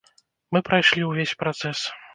Мы прайшлі ўвесь працэс.